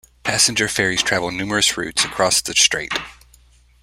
Passenger ferries travel numerous routes across the strait.